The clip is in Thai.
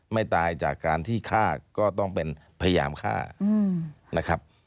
ไม่ตายจากการที่ฆ่าก็ต้องเป็นพยายามฆ่านะครับ